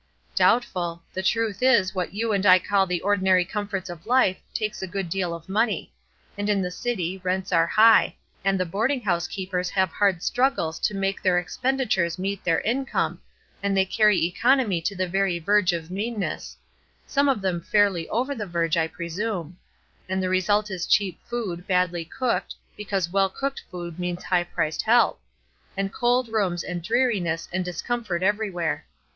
"Doubtful. The truth is, what you and I call the ordinary comforts of life takes a good deal of money; and in the city, rents are high, and the boarding house keepers have hard struggles to make their expenditures meet their income, and they carry economy to the very verge of meanness, some of them fairly over the verge, I presume; and the result is cheap food, badly cooked, because well cooked food means high priced help, and cold rooms and dreariness and discomfort everywhere.